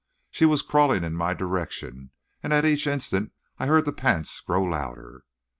She was crawling in my direction, and at each instant I heard the pants grow louder.